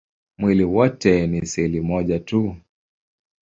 Mwili wote ni seli moja tu.